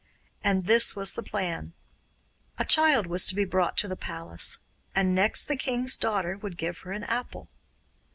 And this was the plan. A child was to be brought to the palace, and next the king's daughter would give her an apple.